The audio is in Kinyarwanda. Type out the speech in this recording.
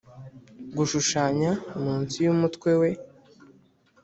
gushushanya munsi yumutwe we.